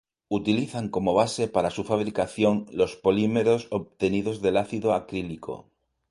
Utilizan como base para su fabricación los polímeros obtenidos del ácido acrílico.